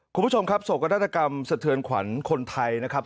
คุณผู้ชมครับโศกนาฏกรรมสะเทือนขวัญคนไทยนะครับ